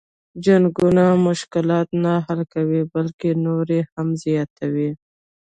جنګونه مشلات نه حل کوي بلکه نور یې هم زیاتوي.